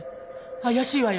怪しいわよ。